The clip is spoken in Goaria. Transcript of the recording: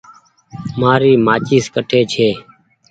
مآري مآچيس ڪٺي ڇي۔